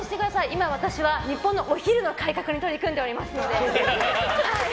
今、私は日本のお昼の改革に取り組んでおりますので。